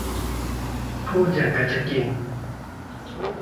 พูดหยั่งกะจะกิน